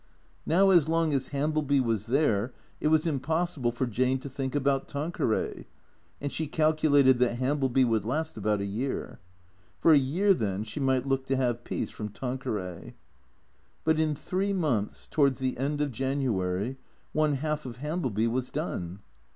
Now as long as Hambleby was there it was impossible for Jane to think about Tanqueray, and she calculated that Ham bleby would last about a year. For a year, then, she might look to have peace from Tanqueray. But in three months, towards the end of January, one half of Hambleby was done.